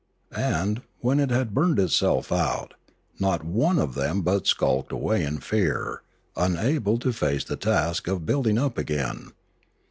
And, when it had burned itself out, not one of them but skulked away in fear, unable to face the task of building up again.